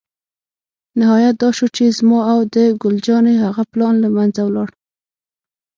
نهایت دا شو چې زما او د ګل جانې هغه پلان له منځه ولاړ.